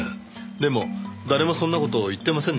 でも誰もそんな事を言ってませんでしたよ。